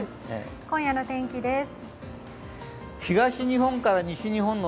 今夜の天気です。